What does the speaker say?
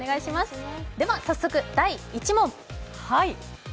では、早速第１問。